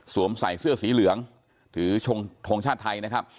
ใส่เสื้อสีเหลืองถือทงชาติไทยนะครับ